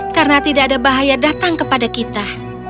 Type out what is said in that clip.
karena tidak ada bahaya datang kepada kita